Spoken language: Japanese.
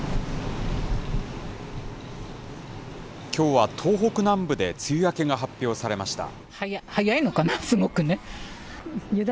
きょうは東北南部で梅雨明けが発表されました。